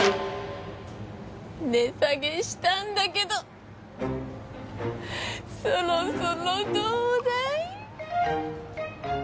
値下げしたんだけどそろそろどうだい？